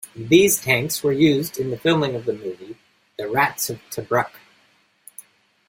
These tanks were used in the filming of the movie "The Rats of Tobruk".